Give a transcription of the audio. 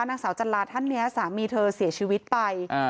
นางสาวจันลาท่านนี้สามีเธอเสียชีวิตไป